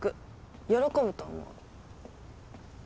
喜ぶと思う。